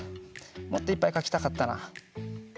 もっといっぱいかきたかったな。